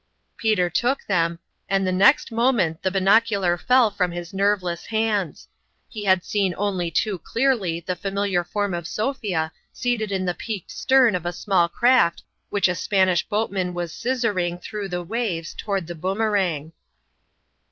Peter took them, and the next moment the binocular fell from his nerveless hands. He had seen only too clearly the familiar form of Sophia seated in the peaked stern of a small craft which a Spanish boatman was " scissoring " through the waves toward the Boomerang.